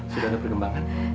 sudah ada perkembangan